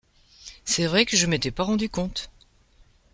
C’est vrai que je m’étais pas rendu compte !